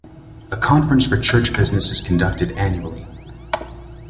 A conference for church business is conducted annually.